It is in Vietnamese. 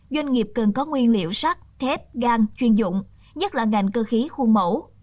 doanh nghiệp cần có nguyên liệu sắt thép gan chuyên dụng nhất là ngành cơ khí khu mẫu